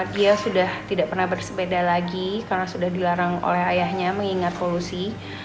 dia sudah tidak pernah bersepeda lagi karena sudah dilarang oleh ayahnya mengingat polusi